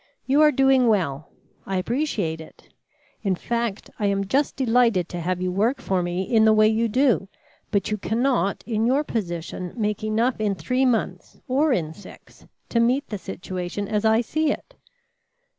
You are doing well; I appreciate it; in fact, I am just delighted to have you work for me in the way you do, but you cannot, in your position, make enough in three months, or in six, to meet the situation as I see it.